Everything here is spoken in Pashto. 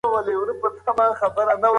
د پښتو ادب ځلانده ستوري تل یاد وساتئ.